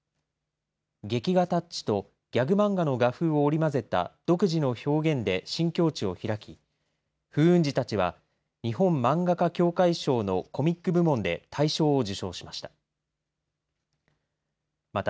劇画タッチとギャグ漫画の画風を織り交ぜた独自の表現で新境地を開き風雲児たちは日本漫画家協会賞のコミック部門で大賞を受賞しました。